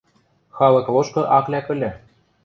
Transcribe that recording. халык лошкы ак лӓк ыльы.